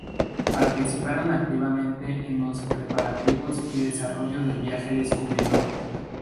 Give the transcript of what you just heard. Participaron activamente en los preparativos y desarrollo del viaje descubridor.